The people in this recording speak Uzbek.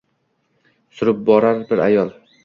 surib borar bir ayol